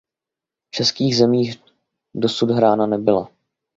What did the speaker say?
V českých zemích dosud hrána nebyla.